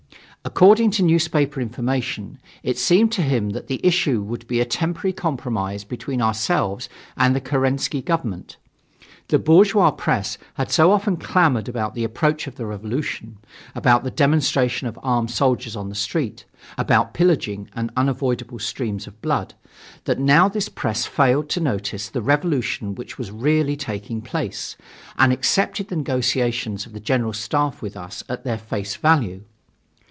According to newspaper information, it seemed to him that the issue would be a temporary compromise between ourselves and the Kerensky Government. The bourgeois press had so often clamored about the approach of the revolution, about the demonstration of armed soldiers on the streets, about pillaging and unavoidable streams of blood, that now this press failed to notice the revolution which was really taking place, and accepted the negotiations of the general staff with us at their face value.